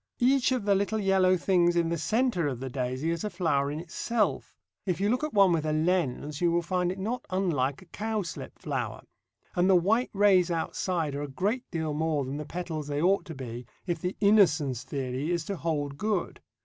Each of the little yellow things in the centre of the daisy is a flower in itself, if you look at one with a lens you will find it not unlike a cowslip flower, and the white rays outside are a great deal more than the petals they ought to be if the Innocence theory is to hold good.